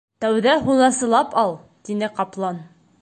— Тәүҙә һунарсылап ал, — тине ҡаплан.